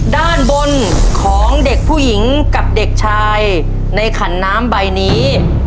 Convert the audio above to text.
ด้านบนของเด็กผู้หญิงกับเด็กชายในขันน้ำใบนี้